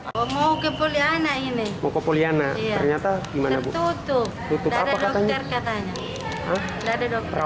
pembelajaran terbuka tapi tidak ada dokter